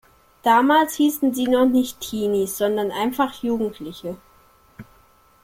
Damals hießen sie noch nicht Teenies sondern einfach Jugendliche.